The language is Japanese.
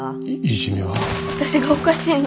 私がおかしいの。